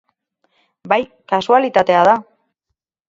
Bai, kasualitatea da.